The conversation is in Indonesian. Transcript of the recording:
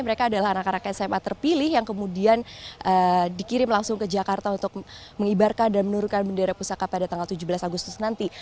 mereka adalah anak anak sma terpilih yang kemudian dikirim langsung ke jakarta untuk mengibarkan dan menurunkan bendera pusaka pada tanggal tujuh belas agustus nanti